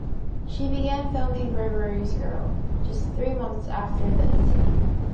She began filming "Gregory's Girl" just three months after the incident.